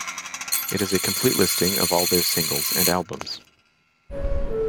It is a complete listing of all their singles and albums.